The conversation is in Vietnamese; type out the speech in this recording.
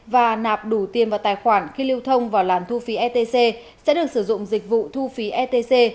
và nạp đủ tiền vào tài khoản khi lưu thông vào làn thu phí etc sẽ được sử dụng dịch vụ thu phí etc